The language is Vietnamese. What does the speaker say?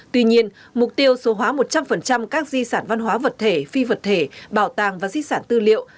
tuy nhiên mục tiêu số hóa một trăm linh các di sản văn hóa vật thể phi vật thể bảo tàng và di sản tư liệu